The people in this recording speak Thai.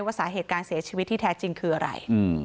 สาเหตุการเสียชีวิตที่แท้จริงคืออะไร